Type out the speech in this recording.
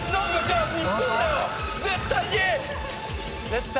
絶対？